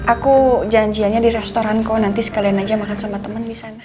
aku janjiannya di restoran kok nanti sekalian aja makan sama temen di sana